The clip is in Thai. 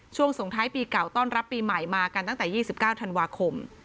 ส่งท้ายปีเก่าต้อนรับปีใหม่มากันตั้งแต่๒๙ธันวาคม